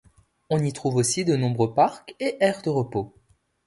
On y trouve aussi de nombreux parcs et aires de repos.